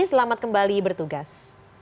selamat kembali bertugas